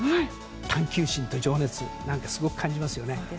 探求心と情熱をすごく感じますよね。